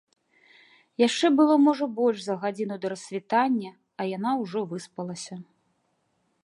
Яшчэ было, можа, больш за гадзіну да рассвітання, а яна ўжо выспалася.